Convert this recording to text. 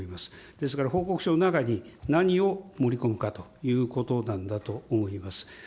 ですから、報告書の中に何を盛り込むかということなんだと思います。